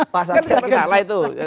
pasangnya salah itu